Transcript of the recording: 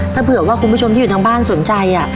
ถ้าเผื่อว่าคุณผู้ชมที่อยู่ทางบ้านสนใจ